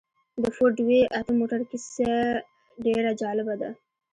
د فورډ وي اته موټر کيسه ډېره جالبه ده.